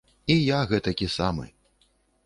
І я гэтакі самы.